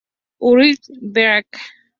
Ulrich Becker.